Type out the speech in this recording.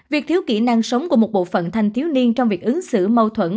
việc thiếu kỹ năng sống của một bộ phận thanh thiếu niên trong việc ứng xử mâu thuẫn